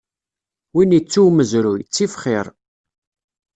Win ittu umezruy, ttif xiṛ.